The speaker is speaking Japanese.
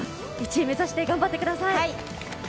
１位目指して、頑張ってください。